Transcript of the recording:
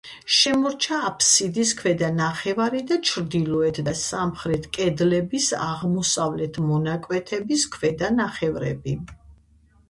შემორჩა აბსიდის ქვედა ნახევარი და ჩრდილოეთ და სამხრეთ კედლების აღმოსავლეთ მონაკვეთების ქვედა ნახევრები.